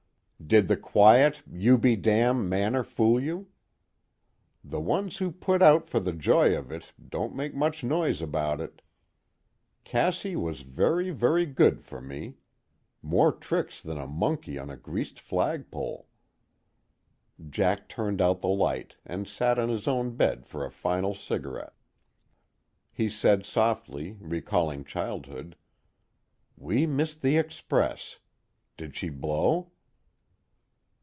"Did the quiet, you be damn manner fool you? The ones who put out for the joy of it don't make much noise about it. Cassie was very very good for me. More tricks than a monkey on a greased flagpole." Jack turned out the light and sat on his own bed for a final cigarette; he said softly, recalling childhood: "We missed The Express. Did she blow?"